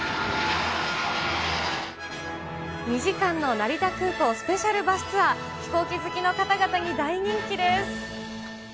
２時間の成田空港スペシャルバスツアー、飛行機好きの方々に大人気です。